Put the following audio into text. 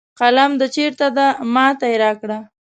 قلم د چېرته ده ما ته یې راکړه